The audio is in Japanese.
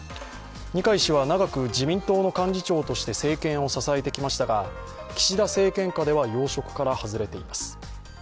二階氏は長く自民党の幹事長として政権を支えてきましたが岸田政権下では要職から外れています。